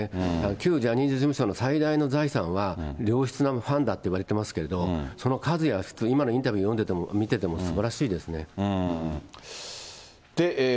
旧ジャニーズ事務所の最大の財産は、良質なファンだと言われてますけど、その数や、今のインタビュー読んでても、見ててもすばらしいですね。